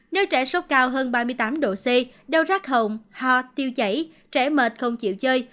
nơi trẻ sốc cao hơn ba mươi tám độ c đau rác hồng ho tiêu chảy trẻ mệt không chịu chơi